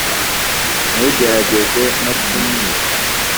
ntugerageze no kumwica.